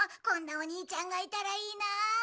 こんなお兄ちゃんがいたらいいな。